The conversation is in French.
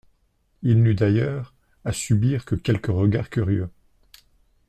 Il n'eut d'ailleurs, à subir que quelques regards curieux.